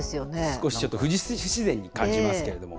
少しちょっと不自然に感じますけれども。